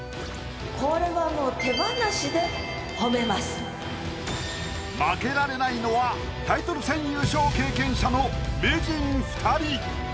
これはもう負けられないのはタイトル戦優勝経験者の名人２人！